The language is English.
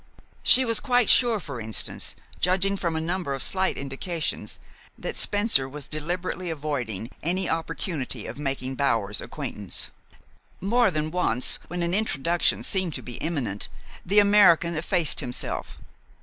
She was quite sure, for instance, judging from a number of slight indications, that Spencer was deliberately avoiding any opportunity of making Bower's acquaintance. More than once, when an introduction seemed to be imminent, the American effaced himself.